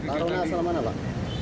taruna salah mana pak